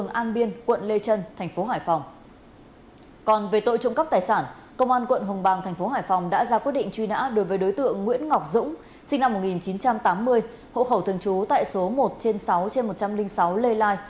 nguyễn ngọc dũng sinh năm một nghìn chín trăm tám mươi hộ khẩu thường chú tại số một trên sáu trên một trăm linh sáu lê lai